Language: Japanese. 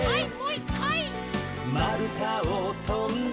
「まるたをとんで」